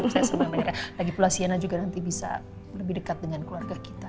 saya sama mereka lagi pula sienna juga nanti bisa lebih dekat dengan keluarga kita